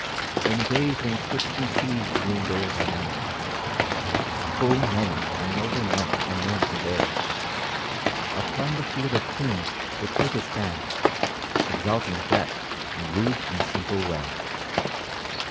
In days when Christian seeds bloomed o'er the land, Full many a noble monk unknown to day, Upon the field of tombs would take his stand, Exalting Death in rude and simple way.